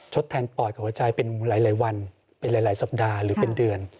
ทดแทนปอดของหัวใจเป็นหลายวันเป็นหลายสัปดาห์หรือเป็นเดือน